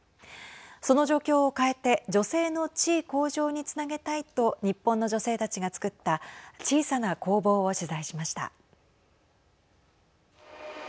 その状況を変えて女性の地位向上につなげたいと日本の女性たちが作った小さな工房を取材しました。